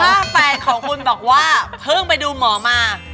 ถ้าแฟนของคุณบอกว่าเพิ่งไปดูหมอมา